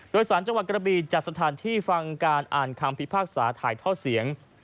โดยสารจังหวัดกระบีจัดสถานที่ฟังการอ่านคำพิพากษาถ่ายท่อเสียง